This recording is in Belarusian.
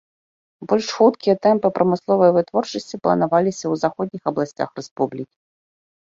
Больш хуткія тэмпы прамысловай вытворчасці планаваліся ў заходніх абласцях рэспублікі.